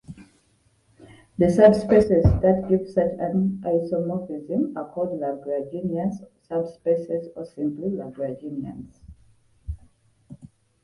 The subspaces that give such an isomorphism are called Lagrangian subspaces or simply Lagrangians.